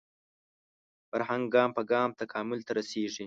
فرهنګ ګام په ګام تکامل ته رسېږي